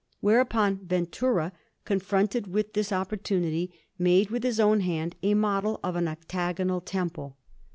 Whereupon Ventura, confronted with this opportunity, made with his own hand a model of an octagonal temple